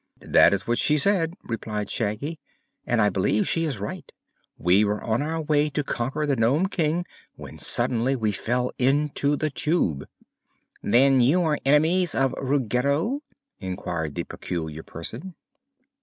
"That is what she said," replied Shaggy, "and I believe she is right. We were on our way to conquer the Nome King when suddenly we fell into the Tube." "Then you are enemies of Ruggedo?" inquired the peculiar Person.